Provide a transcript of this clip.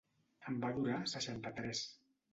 En va durar seixanta-tres.